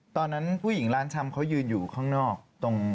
ตอนนั้นผู้หญิงร้านชำเขายืนอยู่ข้างนอกตรง